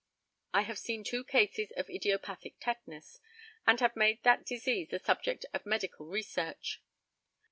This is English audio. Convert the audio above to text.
I have seen two cases of idiopathic tetanus, and have made that disease the subject of medical research.